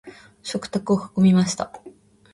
食卓を囲みました。